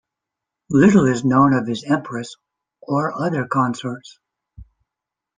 Little is known of his empress or other consorts.